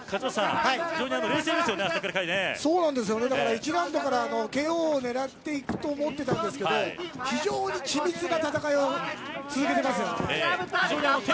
１ラウンドからＫＯを狙っていくと思っていたんですが非常に緻密な戦いを続けてますね。